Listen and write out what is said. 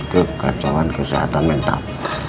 kekacauan kesehatan mental